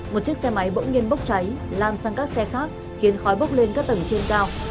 một chiếc xe máy bỗng nhiên bốc cháy lan sang các xe khác khiến khói bốc lên các tầng trên cao